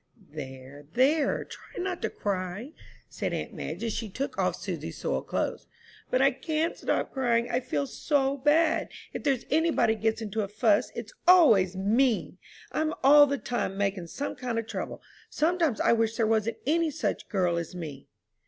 "There, there! try not to cry," said aunt Madge, as she took off Susy's soiled clothes. "But I can't stop crying, I feel so bad. If there's any body gets into a fuss it's always me! I'm all the time making some kind of trouble. Sometimes I wish there wasn't any such girl as me!"